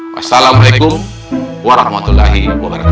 wassalamualaikum warahmatullahi wabarakatuh